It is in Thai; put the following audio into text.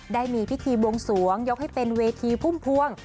ได้มีพิธีบวงสวงยกให้เป็นเวทีพุ่มพวง